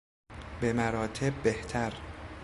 به مراتب بهتر